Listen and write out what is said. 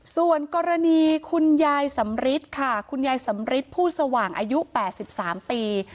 ส่วนกรณีคุณยายสำริทค่ะคุณยายสำริทผู้สว่างอายุ๘๓ปี